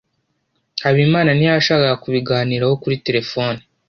habimana ntiyashakaga kubiganiraho kuri terefone